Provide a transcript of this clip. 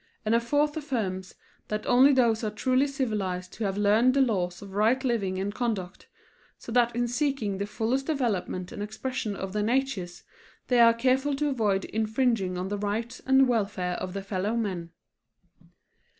And a fourth affirms that only those are truly civilized who have learned the laws of right living and conduct, so that in seeking the fullest development and expression of their natures they are careful to avoid infringing on the rights and welfare of their fellow men.